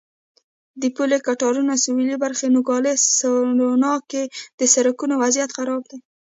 د پولې کټارو سوېلي برخه نوګالس سونورا کې د سړکونو وضعیت خراب دی.